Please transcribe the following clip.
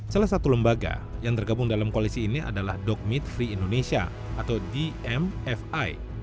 salah satu lembaga yang tergabung dalam koalisi ini adalah dog meat free indonesia atau dmfi